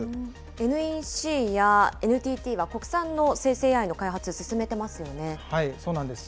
ＮＥＣやＮＴＴは国産の生成ＡＩの開発、そうなんです。